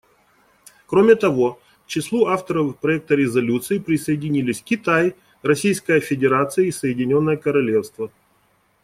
Кроме того, к числу авторов проекта резолюции присоединились Китай, Российская Федерация и Соединенное Королевство.